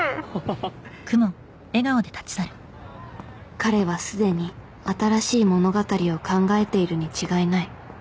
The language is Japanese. はっ彼はすでに新しい物語を考えているに違いない